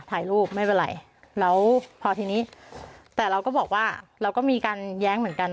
ถ่ายรูปไม่เป็นไรแล้วพอทีนี้แต่เราก็บอกว่าเราก็มีการแย้งเหมือนกัน